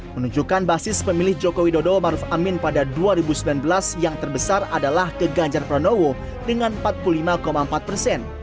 menunjukkan basis pemilih joko widodo maruf amin pada dua ribu sembilan belas yang terbesar adalah ke ganjar pranowo dengan empat puluh lima empat persen